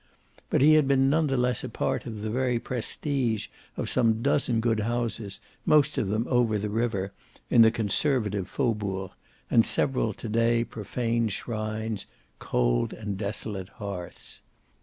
but he had been none the less a part of the very prestige of some dozen good houses, most of them over the river, in the conservative faubourg, and several to day profaned shrines, cold and desolate hearths.